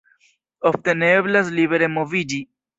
Ofte ne eblas libere moviĝi.